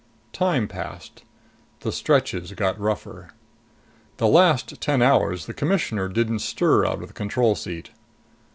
Time passed. The stretches got rougher. The last ten hours, the Commissioner didn't stir out of the control seat.